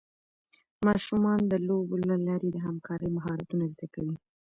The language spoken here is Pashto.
ماشومان د لوبو له لارې د همکارۍ مهارتونه زده کوي.